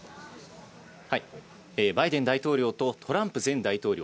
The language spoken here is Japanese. バイデン大統領とトランプ前大統領。